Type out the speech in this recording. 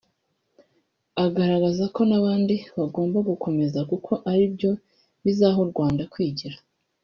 agaragaza ko n’abandi bagomba gukomeza kuko ari byo bizaha u Rwanda kwigira